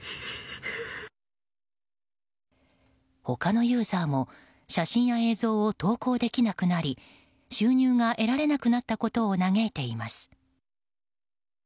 他のユーザーも写真や映像を投稿できなくなり収入が得られなくなったことを嘆いています。